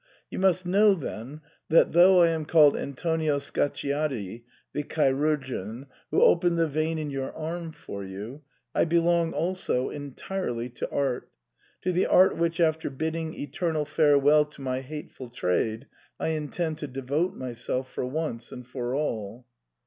You must know then, that though I am called Antonio Scacciati, the chirurgeon, who opened the vein in your arm for you, I belong also en tirely to art — to the art which, after bidding eternal farewell to my hateful trade, I intend to devote myself for once and for all."